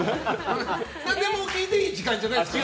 何でも聞いていい時間じゃない。